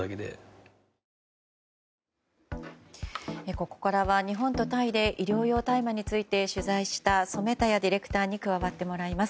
ここからは日本とタイで医療用大麻について取材した染田屋ディレクターに加わってもらいます。